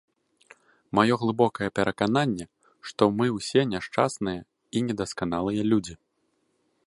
Маё глыбокае перакананне, што мы ўсе няшчасныя і недасканалыя людзі.